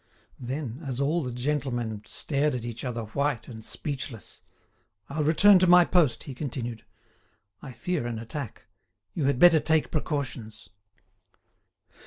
Then, as all the gentlemen stared at each other white and speechless, "I'll return to my post," he continued. "I fear an attack. You had better take precautions."